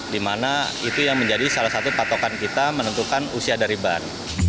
dimana itu yang menjadi salah satu patokan kita menentukan usia dari ban